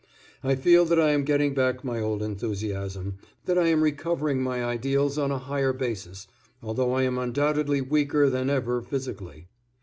I feel that I am getting back my old enthusiasm, that I am recovering my ideals on a higher basis, although I am undoubtedly weaker than ever physically.